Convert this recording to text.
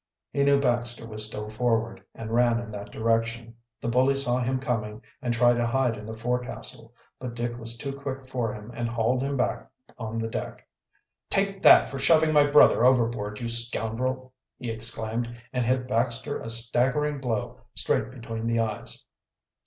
He knew Baxter was still forward, and ran in that direction. The bully saw him coming and tried to hide in the forecastle, but Dick was too quick for him and hauled him back on the deck. "Take that for shoving my brother overboard, you scoundrel!" he exclaimed, and hit Baxter a staggering blow straight between the eyes.